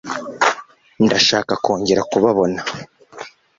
ndashaka kongera kubabona